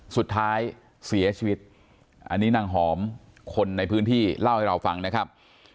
สุดท้ายเสียชีวิตอันนี้นางหอมคนในพื้นที่เล่าให้เราฟังนะครับ